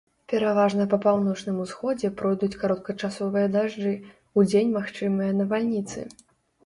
Пераважна па паўночным усходзе пройдуць кароткачасовыя дажджы, удзень магчымыя навальніцы.